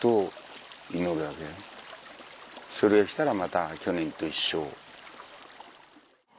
それが来たらまた去年と一緒。